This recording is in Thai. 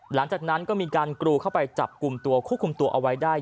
หลังจากนั้นก็มีการกรูเข้าไปจับกลุ่มตัวควบคุมตัวเอาไว้ได้